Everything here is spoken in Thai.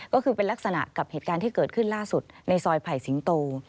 ก็คือเป็นลักษณะกับเหตุการณ์ที่เกิดขึ้นล่าสุดในซอยไผ่สิงโต